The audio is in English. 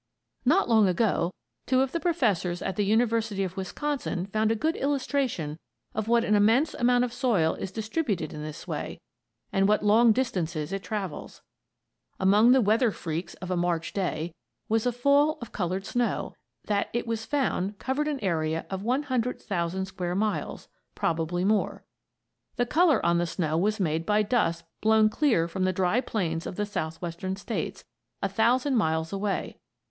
Not long ago two of the professors at the University of Wisconsin found a good illustration of what an immense amount of soil is distributed in this way, and what long distances it travels. Among the weather freaks of a March day was a fall of colored snow that, it was found, covered an area of 100,000 square miles, probably more. The color on the snow was made by dust blown clear from the dry plains of the Southwestern States, a thousand miles away.